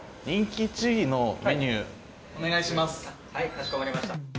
はいかしこまりました。